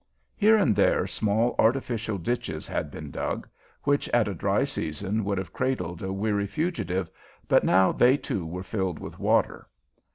Here and there small artificial ditches had been dug, which at a dry season might have cradled a weary fugitive, but now they, too, were filled with water.